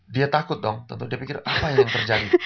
dia takut dong tentu dia pikir apa yang terjadi